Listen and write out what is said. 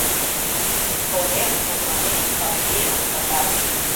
Кылмен, орланен, какшиемын пыта?